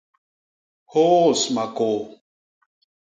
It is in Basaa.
Hôôs makôô.